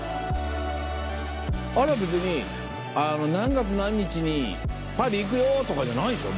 あれは別に何月何日にパリ行くよ！とかじゃないんでしょ？